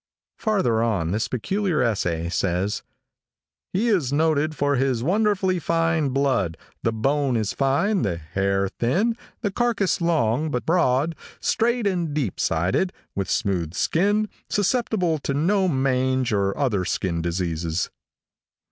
Farther on, this peculiar essay says: "He is noted for his wonderfully fine blood, the bone is fine, the hair thin, the carcass long but broad, straight and deep sided, with smooth skin, susceptible to no mange or other skin diseases."